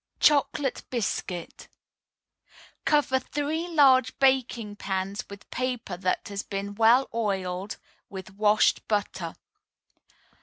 CHOCOLATE BISCUIT Cover three large baking pans with paper that has been well oiled with washed butter.